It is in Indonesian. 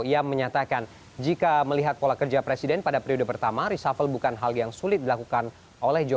ia menyatakan jika melihat pola kerja presiden pada periode pertama reshuffle bukan hal yang sulit dilakukan oleh jokowi